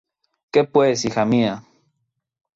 ¿Qué pues, hija mía?